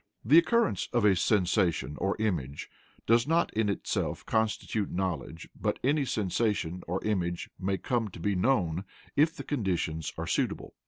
The occurrence of a sensation or image does not in itself constitute knowledge but any sensation or image may come to be known if the conditions are suitable.